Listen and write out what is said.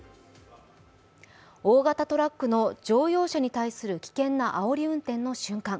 大型トラックの乗用車に対する危険なあおり運転の瞬間。